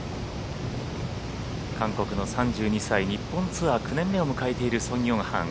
韓国の３２歳日本ツアー９年目を迎えているソン・ヨンハン